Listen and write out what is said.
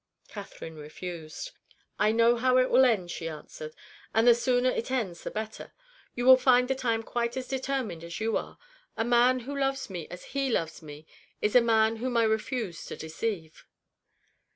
Catherine refused. "I know how it will end," she answered; "and the sooner it ends the better. You will find that I am quite as determined as you are. A man who loves me as he loves me, is a man whom I refuse to deceive."